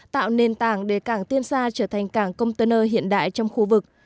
tạo nền tảng để cảng tiên sa trở thành cảng container hiện đại trong khu vực